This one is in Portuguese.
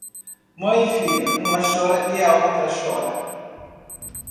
Mãe e filha, uma chora e a outra chora.